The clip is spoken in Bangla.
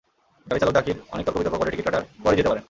গাড়িচালক জাকির কাজী অনেক তর্কবিতর্ক করে টিকিট কাটার পরই যেতে পারেন।